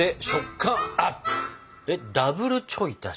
ダブルちょい足し？